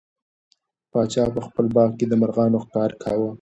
پاچا په خپل باغ کې د مرغانو ښکار کاوه.